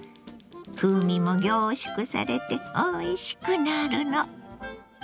風味も凝縮されておいしくなるの。